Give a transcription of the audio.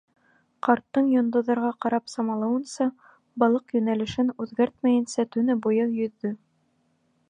Ҡарттың йондоҙҙарға ҡарап самалауынса, балыҡ, йүнәлешен үҙгәртмәйенсә, төнө буйы йөҙҙө.